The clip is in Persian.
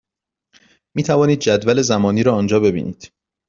می توانید جدول زمانی را آنجا ببینید.